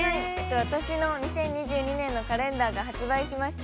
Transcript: ◆私の２０２２年のカレンダーが発売しました。